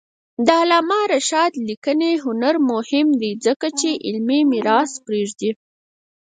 د علامه رشاد لیکنی هنر مهم دی ځکه چې علمي میراث پرېږدي.